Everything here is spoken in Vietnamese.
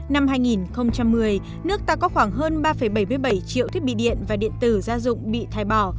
năm hai nghìn một mươi nước ta có khoảng hơn ba bảy mươi bảy triệu thiết bị điện và điện tử gia dụng bị thải bỏ